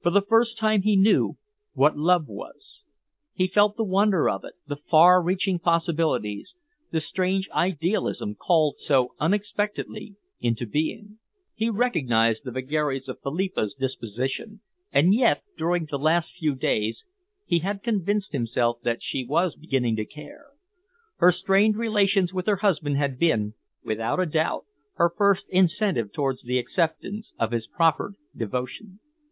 For the first time he knew what love was. He felt the wonder of it, the far reaching possibilities, the strange idealism called so unexpectedly into being. He recognized the vagaries of Philippa's disposition, and yet, during the last few days, he had convinced himself that she was beginning to care. Her strained relations with her husband had been, without a doubt, her first incentive towards the acceptance of his proffered devotion.